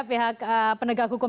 pihak penegak hukum